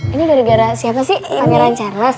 ini gara gara siapa sih pangeran charles